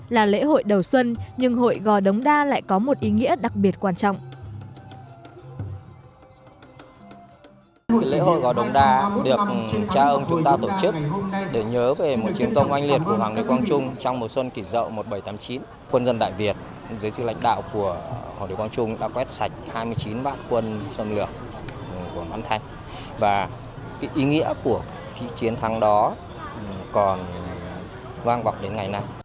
là lễ hội đầu xuân nhưng hội gò đống đa lại có một ý nghĩa đặc biệt quan trọng